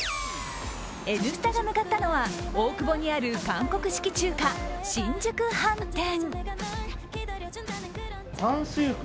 「Ｎスタ」が向かったのは大久保にある韓国式中華、新宿飯店。